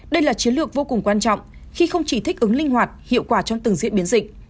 đây là chiến lược vô cùng quan trọng khi không chỉ thích ứng linh hoạt hiệu quả trong từng diễn biến dịch